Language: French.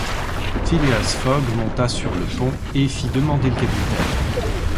Phileas Fogg monta sur le pont et fit demander le capitaine.